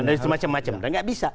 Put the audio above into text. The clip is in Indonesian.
dan tidak bisa